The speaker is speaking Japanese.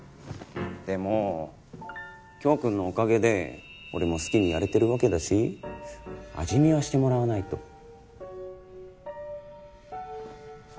でも京くんのおかげで俺も好きにやれてるわけだし味見はしてもらわないと。